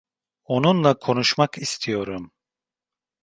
Onunla konuşmak istiyorum.